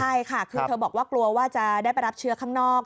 ใช่ค่ะคือเธอบอกว่ากลัวว่าจะได้ไปรับเชื้อข้างนอก